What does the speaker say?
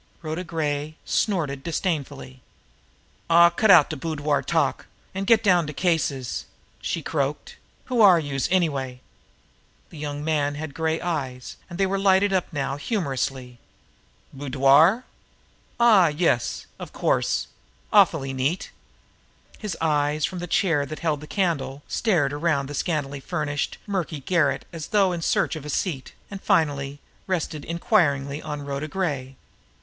Rhoda Gray snorted disdainfully. "Aw, cut out de boudoir talk, an' get down to cases!" she croaked. "Who are youse, anyway?" The young man had gray eyes and they lighted up now humorously. "Boudoir? Ah yes! Of course! Awfully neat!" His eyes, from the chair that held the candle, strayed around the scantily furnished, murky garret as though in search of a seat, and finally rested inquiringly on Rhoda Gray.